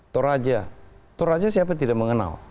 toraja toraja siapa tidak mengenal